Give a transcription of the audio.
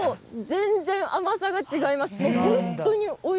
全然甘さが違います。